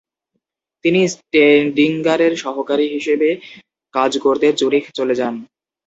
তিনি স্টেডিঙ্গারের সহকারী হিসেবে কাজ করতে জুরিখ চলে যান।